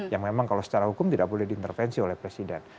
yang memang kalau secara hukum tidak boleh diintervensi oleh presiden